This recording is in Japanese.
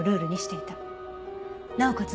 なおかつ